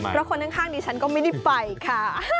เพราะคนข้างดิฉันก็ไม่ได้ไปค่ะ